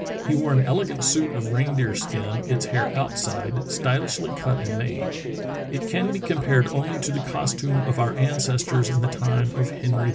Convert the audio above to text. He wore an elegant suit of reindeer skin, its hair outside, stylishl)^ cut and made. It can be compared only to the costume of our ancestors in the time of Henry IV.